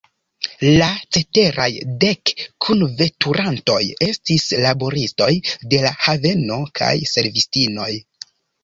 La ceteraj dek kunveturantoj estis laboristoj de la haveno kaj servistinoj.